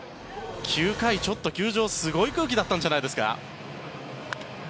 ９回、ちょっと球場はすごい空気だったんじゃないですか？